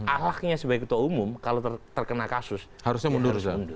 alaknya sebagai ketua umum kalau terkena kasus harusnya mundur